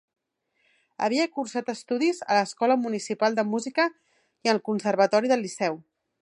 Havia cursat estudis a l'Escola Municipal de Música i al Conservatori del Liceu.